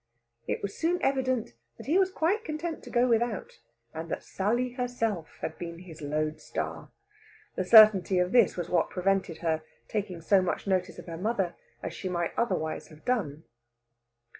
It was soon evident that he was quite content to go without, and that Sally herself had been his lode star. The certainty of this was what prevented her taking so much notice of her mother as she might otherwise have done.